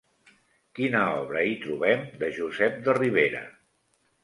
Quina obra hi trobem de Josep de Ribera?